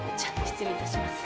失礼いたします。